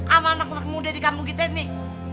awal anak anak muda di kampung kita nih